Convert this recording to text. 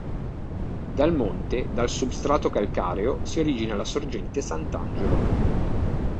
Dal monte, dal substrato calcareo, si origina la sorgente Sant'Angelo.